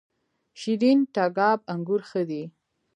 شیرین تګاب انګور ښه دي؟